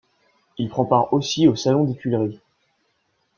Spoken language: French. Il prend part aussi au Salon des Tuileries.